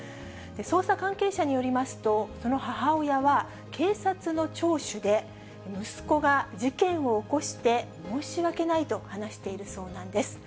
捜査関係者によりますと、その母親は、警察の聴取で、息子が事件を起こして申し訳ないと話しているそうなんです。